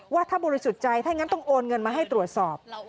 ว่าถ้าบริสุทธิ์ใจถ้างั้นต้องโอนเงินมาให้ตรวจสอบ